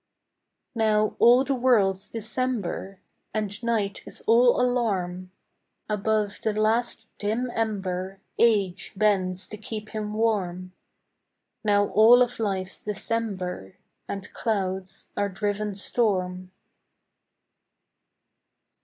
IV Now all the world's December, And night is all alarm, Above the last dim ember Age bends to keep him warm; Now all of life's December, And clouds are driven storm.